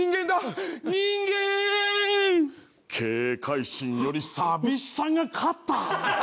警戒心より寂しさが勝った。